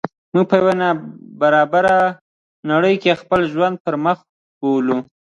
موږ په یوه نا برابره نړۍ کې د خپل ژوند پرمخ بوولو.